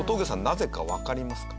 なぜかわかりますか？